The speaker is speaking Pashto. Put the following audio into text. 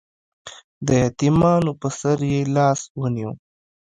د یتیمانو په سر یې لاس ونیو